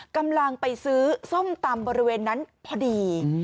กำลังไปซื้อส้มตำบริเวณนั้นพอดี